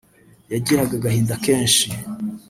yagiraga agahinda kenshi